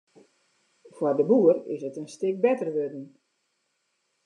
Foar de boer is it in stik better wurden.